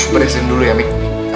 peresin dulu ya mik